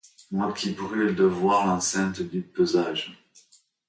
Moi qui brûle de voir l'enceinte du pesage.